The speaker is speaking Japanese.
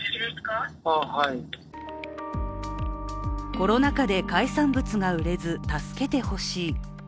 コロナ禍で海産物が売れず助けてほしい。